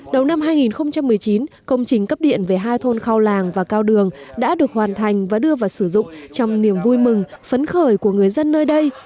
đầu năm hai nghìn một mươi chín công trình cấp điện về hai thôn khâu làng và cao đường đã được hoàn thành và đưa vào sử dụng trong niềm vui mừng phấn khởi của người dân nơi đây